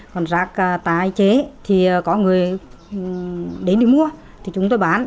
còn rác tái chế thì có người đến đi mua thì chúng tôi bán